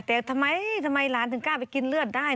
แต่ทำไมหลานถึงกล้าไปกินเลือดได้